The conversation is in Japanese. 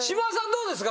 どうですか？